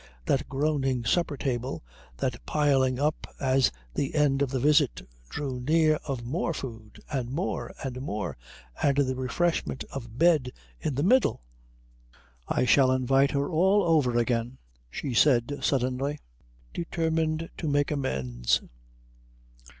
That groaning supper table, that piling up as the end of the visit drew near of more food and more and more, and the refreshment of bed in the middle.... "I shall invite her all over again," she said suddenly, determined to make amends.